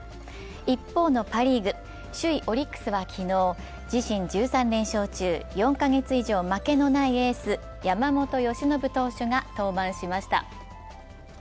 一方のパ・リーグ、首位・オリックスは昨日、自身１３連勝中４カ月以上負けのないエース、山本由伸投手が登板しました。